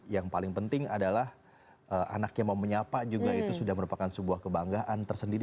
yang paling penting adalah anak yang mau menyapa juga itu sudah merupakan sebuah kebanggaan tersendiri